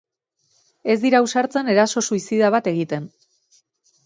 Ez dira ausartzen eraso suizida bat egiten.